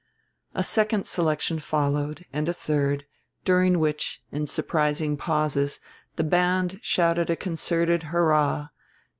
A second selection followed, and a third, during which, in surprising pauses, the band shouted a concerted "Hurrah!"